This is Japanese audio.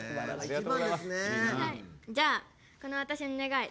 じゃあ、私の願い